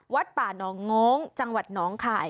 วัดป่าน้องงจังหวัดน้องคาย